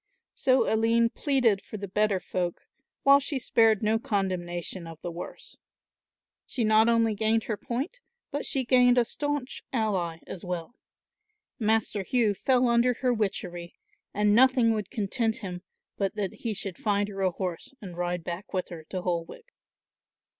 So Aline pleaded for the better folk, while she spared no condemnation of the worse. She not only gained her point, but she gained a staunch ally as well. Master Hugh fell under her witchery and nothing would content him, but that he should find her a horse and ride back with her to Holwick.